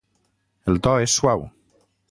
El to és suau.